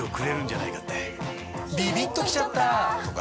ビビッときちゃった！とか